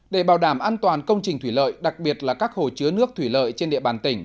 để bảo đảm an toàn công trình thủy lợi đặc biệt là các hồ chứa nước thủy lợi trên địa bàn tỉnh